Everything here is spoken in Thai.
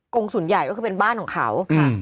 งศูนย์ใหญ่ก็คือเป็นบ้านของเขา